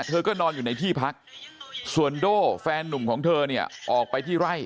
เธอก็นอนอยู่ในที่พักส่วนโด่แฟนนุ่มของเธอเนี่ยออกไปที่ไร่